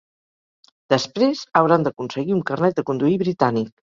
Després, hauran d’aconseguir un carnet de conduir britànic.